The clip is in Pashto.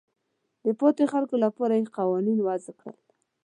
د پاتې خلکو لپاره یې قوانین وضع کړل.